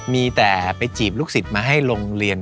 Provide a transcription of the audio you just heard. มีแต่ไปจีบลูกสิบมาให้ลงเรียน